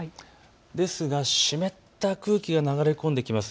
ですが湿った空気が流れ込んできます。